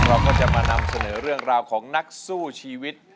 เราก็จะมานำเสนอเรื่องราวของนักสู้ชีวิต